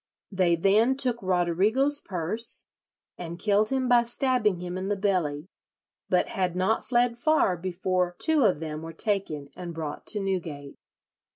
They then took Roderigo's purse, and killed him by stabbing him in the belly, but had not fled far before two of them were taken and brought to Newgate."